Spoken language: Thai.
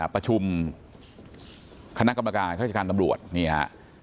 ประชุมคณะกรรมการราชการตำรวจนี่ฮะ